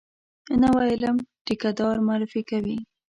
نوی علم ټیکه دار معرفي کوي.